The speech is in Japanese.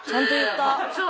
そう。